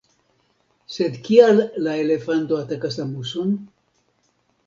Sed kial la elefanto atakas la muson?